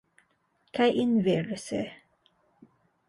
Kaj inverse.